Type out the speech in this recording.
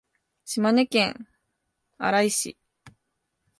島根県安来市